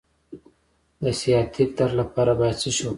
د سیاتیک درد لپاره باید څه شی وکاروم؟